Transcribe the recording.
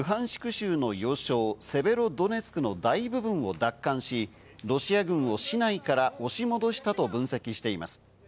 州の要衝セベロドネツクの大部分を奪還し、ロシア軍を市内から押し戻したと分析しています。